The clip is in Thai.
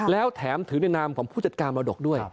แล้วแถมถือในนามของผู้จัดการมรดกด้วย